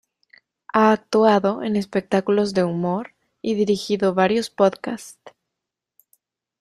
Ha actuado en espectáculos de humor y dirigido varios podcasts.